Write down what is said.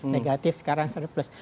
negatif sekarang surplus